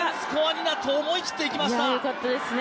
よかったですね！